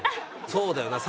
そうだよな。